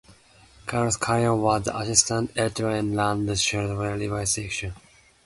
Carlos Carrillo was the Assistant Editor and ran the shareware reviews section.